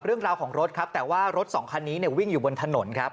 เรื่องราวของรถครับแต่ว่ารถสองคันนี้เนี่ยวิ่งอยู่บนถนนครับ